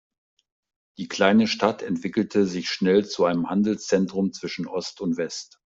Die kleine Stadt entwickelte sich schnell zu einem Handelszentrum zwischen Ost und West.